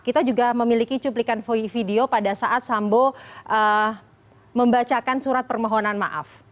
kita juga memiliki cuplikan video pada saat sambo membacakan surat permohonan maaf